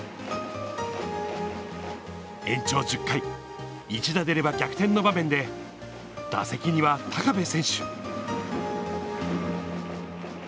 延長１０回、一打出れば逆転の場面で、打席には高部選手。